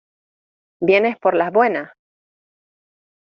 ¿ Vienes por las buenas?